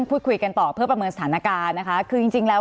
พูดคุยกันต่อเพื่อประเมินสถานการณ์นะคะคือจริงจริงแล้ว